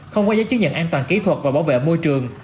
không có giấy chứng nhận an toàn kỹ thuật và bảo vệ môi trường